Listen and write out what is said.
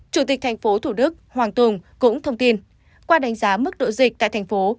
chủ tịch tp thủ đức hoàng tùng cũng thông tin qua đánh giá mức độ dịch tại tp hcm